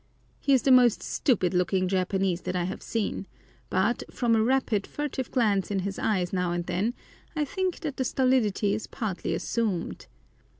He is the most stupid looking Japanese that I have seen, but, from a rapid, furtive glance in his eyes now and then, I think that the stolidity is partly assumed.